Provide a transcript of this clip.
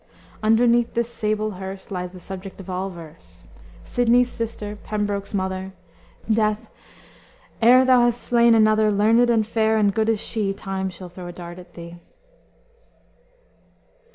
"Underneath this sable herse Lies the subject of all verse, Sidney's sister, Pembroke's mother; Death, ere thou hast slain another Learn'd and fair and good as she, Time shall throw a dart at thee."